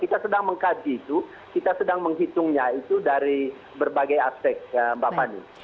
kita sedang mengkaji itu kita sedang menghitungnya itu dari berbagai aspek mbak fani